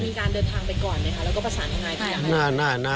มีการเดินทางไปก่อนไหมคะแล้วก็ประสานทนายก่อน